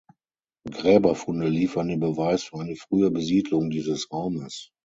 Gräberfunde liefern den Beweis für eine frühe Besiedlung dieses Raumes.